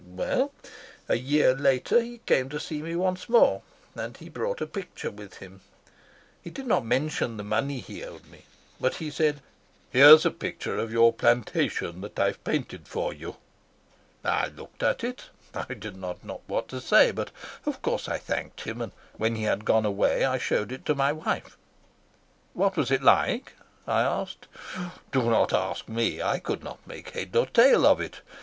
Well, a year later he came to see me once more, and he brought a picture with him. He did not mention the money he owed me, but he said: 'Here is a picture of your plantation that I've painted for you.' I looked at it. I did not know what to say, but of course I thanked him, and when he had gone away I showed it to my wife." "What was it like?" I asked. "Do not ask me. I could not make head or tail of it.